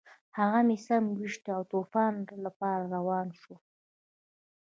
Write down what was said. هغه مې سم وویشت او طواف لپاره روان شوو.